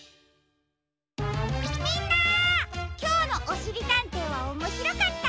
みんなきょうの「おしりたんてい」はおもしろかった？